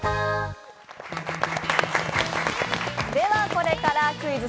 これから「クイズ！